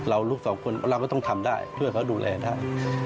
ลูกสองคนเราก็ต้องทำได้ช่วยเขาดูแลได้